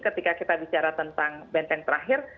ketika kita bicara tentang benteng terakhir